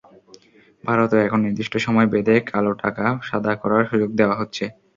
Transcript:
ভারতেও এখন নির্দিষ্ট সময় বেঁধে কালোটাকা সাদা করার সুযোগ দেওয়া হচ্ছে।